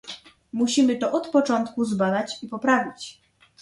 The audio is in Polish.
Musimy to od początku zbadać i poprawić